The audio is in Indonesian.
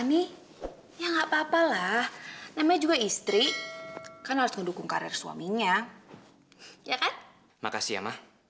nih ya nggak papa lah namanya juga istri kan harus mendukung karir suaminya ya makasih ya